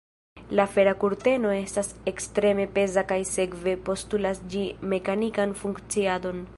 La fera kurteno estas ekstreme peza kaj sekve postulas ĝi mekanikan funkciadon.